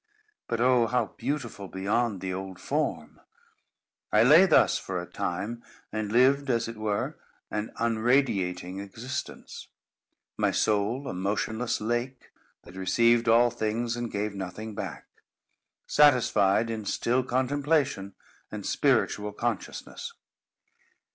But oh, how beautiful beyond the old form! I lay thus for a time, and lived as it were an unradiating existence; my soul a motionless lake, that received all things and gave nothing back; satisfied in still contemplation, and spiritual consciousness.